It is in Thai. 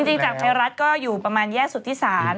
จริงจับไทยรัฐก็อยู่ประมาณแย่สุทธิษศาสตร์